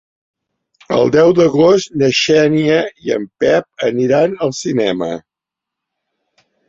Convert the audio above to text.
El deu d'agost na Xènia i en Pep aniran al cinema.